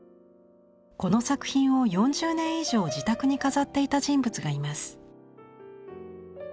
この作品を４０年以上自宅に飾っていた人物がいます。